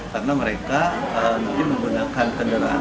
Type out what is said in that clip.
karena mereka mungkin menggunakan kendaraan